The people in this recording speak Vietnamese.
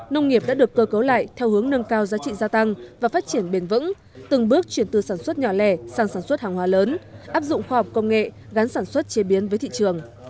nông nghiệp đã được cơ cấu lại theo hướng nâng cao giá trị gia tăng và phát triển bền vững từng bước chuyển từ sản xuất nhỏ lẻ sang sản xuất hàng hóa lớn áp dụng khoa học công nghệ gắn sản xuất chế biến với thị trường